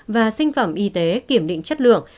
và sinh phẩm y tế kiểm định chất lượng